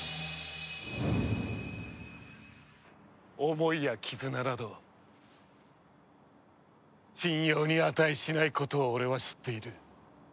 思いや絆など信用に値しないことを俺は知っている。